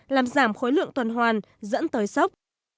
làm giảm khối lượng tuần hoàn dẫn tới sốc